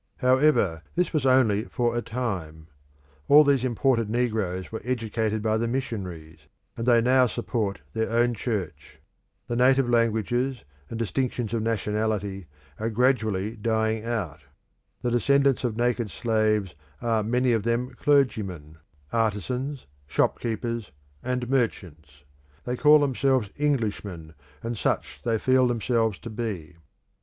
However, this was only for a time. All these imported negroes were educated by the missionaries, and they now support their own church; the native languages and distinctions of nationality are gradually dying out; the descendants of naked slaves are many of them clergymen, artisans, shopkeepers, and merchants; they call themselves Englishmen, and such they feel themselves to be.